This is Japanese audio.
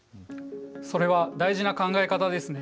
それは大事な考え方ですね。